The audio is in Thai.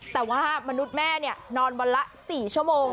แต่ว่ามนุษย์แม่นอนวันละ๔ชั่วโมง